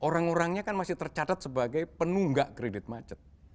orang orangnya kan masih tercatat sebagai penunggak kredit macet